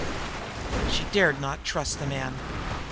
She dared not trust the man.